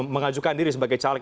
mengajukan diri sebagai caleg